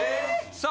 さあ。